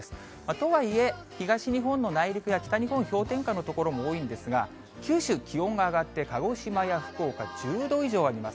とはいえ、東日本の内陸や北日本、氷点下の所も多いんですが、九州、気温が上がって、鹿児島や福岡、１０度以上あります。